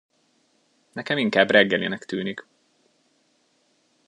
Nekem inkább reggelinek tűnik.